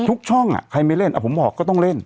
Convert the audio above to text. ทุกช่องใครไม่เล่นผมบอกก็ต้องเล่น